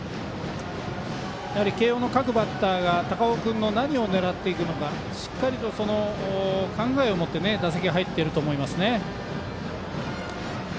慶応の各バッターが高尾君の何を狙っていくのかしっかりと考えを持って打席に入っていると思います。